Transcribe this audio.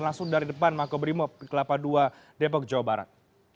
langsung dari depan makobrimob kelapa ii depok jawa barat